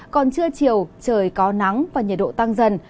còn trưa chiều trời có nắng và nhiệt độ tăng dần